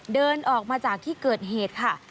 เดินออกมาจากที่เกิดเหตุค่ะ